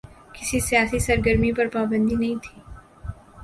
کسی سیاسی سرگرمی پر پابندی نہیں تھی۔